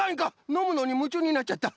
のむのにむちゅうになっちゃった。